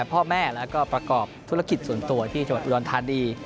พ่อแม่และก็ประกอบธุรกิจส่วนตัวที่จบทอุดวันทานี